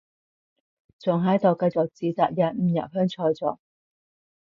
仲喺度繼續指責人唔入鄉隨俗